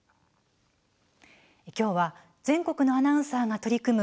きょうは全国のアナウンサーが取り組む